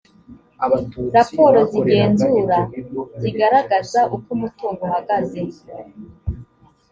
raporo z igenzura zigaragaza uko umutungo uhagaze